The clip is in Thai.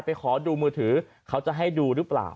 ขอดูมือถือเขาจะให้ดูหรือเปล่า